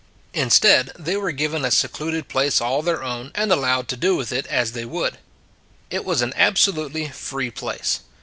Instead they were given a secluded place all their own and allowed to do with it as they would. It, was an absolutely free place.